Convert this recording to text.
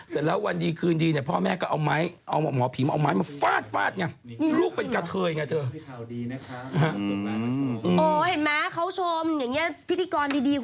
ซะแล้ววันดีคืนพ่อแม่ก็เอาไม้หมอผิมเอาไม้มาฟาดอย่างนี้